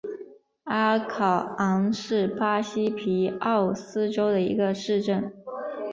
阿考昂是巴西皮奥伊州的一个市镇。